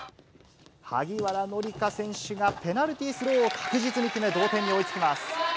萩原紀佳選手がペナルティースローを確実に決め、同点に追いつきます。